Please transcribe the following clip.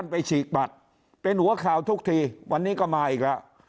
ฉีกบัตรเป็นหัวข่าวทุกทีวันนี้ก็มาอีกแล้ว